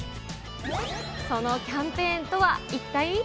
そのキャンペーンとは一体？